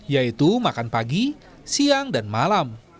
yaitu makan pagi siang dan malam